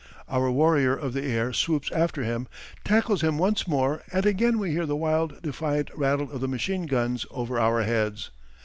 Our warrior of the air swoops after him, tackles him once more and again we hear the wild defiant rattle of the machine guns over our heads.